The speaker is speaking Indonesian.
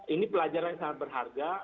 ini pelajaran yang sangat berharga